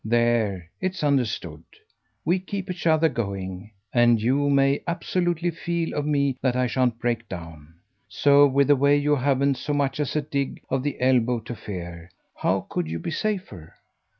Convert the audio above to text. There. It's understood. We keep each other going, and you may absolutely feel of me that I shan't break down. So, with the way you haven't so much as a dig of the elbow to fear, how could you be safer?"